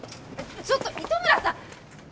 ちょっと糸村さん！